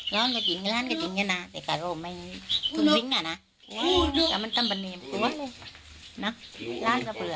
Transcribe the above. หลานก็จริงน่ะแต่กระโลงไม่สมมุตินะมันต้องแบ่งกลัว